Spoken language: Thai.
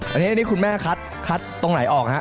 อันนี้คุณแม่คัดตรงไหนออกฮะ